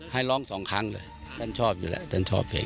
ให้ร้องสองครั้งด้วยฉันชอบอยู่แล้ว